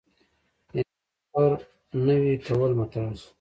دیني تفکر نوي کول مطرح شو.